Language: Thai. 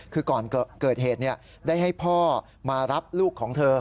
คือก่อนเกิดเหตุได้ให้พ่อมารับลูกของเธอ